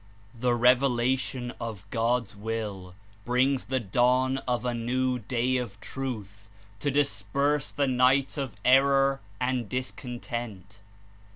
This revelation of God's Will brings the dawn of a new day of Truth to disperse the night of error and discontent.